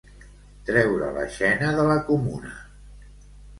Treure la xena de la comuna.